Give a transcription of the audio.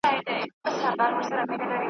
واك ضرور دئ د نااهلو حاكمانو ,